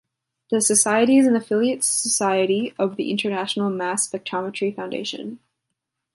The society is an affiliate society of the International Mass Spectrometry Foundation.